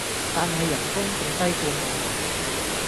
但係人工仲低過我